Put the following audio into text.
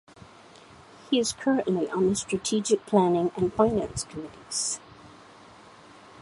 He is currently on the Strategic Planning and Finance committees.